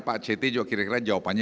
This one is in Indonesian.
pak ceti juga kira kira jawabannya